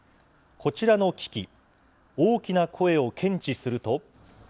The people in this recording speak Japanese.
こちらの機器、大きな声を検知すると。